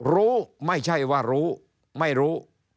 รู้ไม่ใช่ว่ารู้ไม่รู้